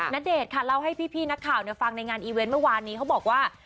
ณเดชน์ค่ะเล่าให้พี่นักข่าวฟังในงานอีเวนต์เมื่อวานนี้เขาบอกว่า